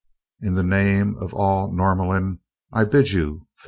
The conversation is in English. In the name of all Norlamin, I bid you farewell."